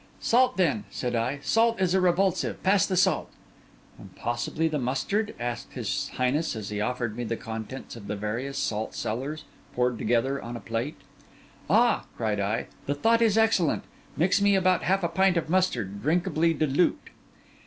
'Salt, then,' said I; 'salt is a revulsive. Pass the salt.' 'And possibly the mustard?' asked his highness, as he offered me the contents of the various salt cellars poured together on a plate. 'Ah,' cried I, 'the thought is excellent! Mix me about half a pint of mustard, drinkably dilute.